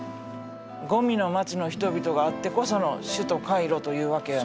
ゴミの町の人々があってこその首都カイロというわけやな。